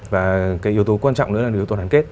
và cái yếu tố quan trọng nữa là yếu tố hàn kết